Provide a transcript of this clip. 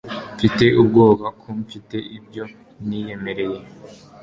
Mfite ubwoba ko mfite ibyo niyemereye.